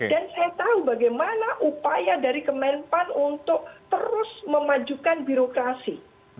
dan saya tahu bagaimana upaya dari kemenpan untuk terus memajukan birokrasi